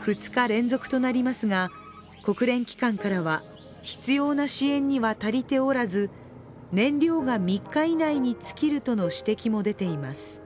２日連続となりますが国連機関からは、必要な支援には足りておらず燃料が３日以内に尽きるとの指摘も出ています。